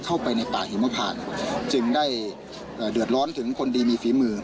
เข้าไปในป่าหิมพานจึงได้เดือดร้อนถึงคนดีมีฝีมือ